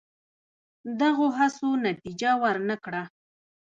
دغو هڅو نتیجه ور نه کړه.